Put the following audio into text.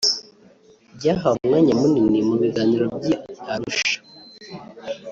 byahawe umwanya munini mu biganiro by’i Arusha